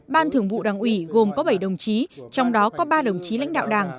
ban thường vụ đảng ủy gồm có bảy đồng chí trong đó có ba đồng chí lãnh đạo đảng